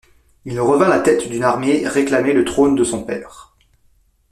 Il revint à la tête d'une armée réclamer le trône de son père.